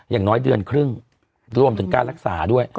อย่างน้อยเดือนครึ่งรวมถึงการรักษาด้วย